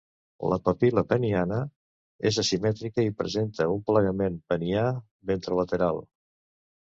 La papil·la peniana és asimètrica i presenta un plegament penià ventrolateral.